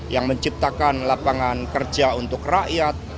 yang menciptakan lapangan kerja untuk rakyat